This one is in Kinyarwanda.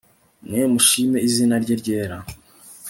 mwe mushime izina rye ryera